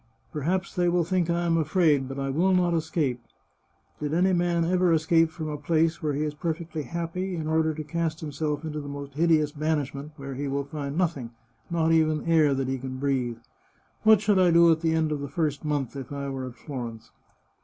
Perhaps they will think I am afraid, but I will not escape. Did any man ever escape from a place where he is perfectly happy in order to cast himself into the most hideous banishment, where he will find nothing, not even air that he can breathe? What should I do at the end of the first month, if I were at Florence?